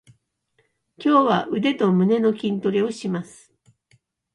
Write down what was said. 今日は腕と胸の筋トレをします。